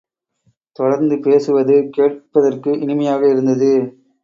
தொடர்ந்து பேசுவது கேட்பதற்கு இனிமையாக இருந்தது.